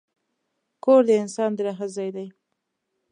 کور د انسان د راحت ځای دی.